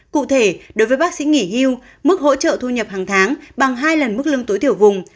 cụ thể đối với bác sĩ nghỉ hưu mức hỗ trợ thu nhập hàng tháng bằng hai lần mức lương tối thiểu vùng